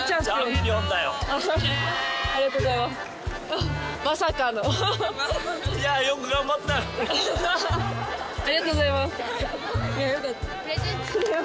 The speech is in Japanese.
ハハハありがとうございます。